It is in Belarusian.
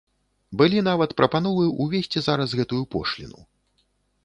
Былі нават прапановы ўвесці зараз гэтую пошліну.